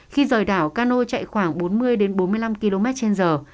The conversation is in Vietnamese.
khi rời đảo cano chạy khoảng bốn mươi bốn mươi năm km trên giờ